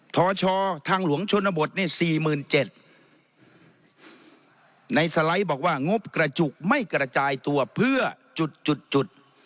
ทชทางหลวงชนบทเนี่ยสี่หมื่นเจ็ดในสไลด์บอกว่างบกระจุกไม่กระจายตัวเพื่อจุดจุดจุด